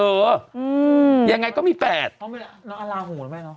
อืมยังไงก็มี๘เนอะลาหูละไม่เนอะ